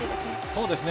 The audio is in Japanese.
そうですね。